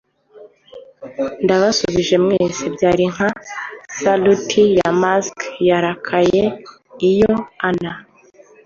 ndabasuhuje mwese. byari nka salut ya mask yarakaye. iyo an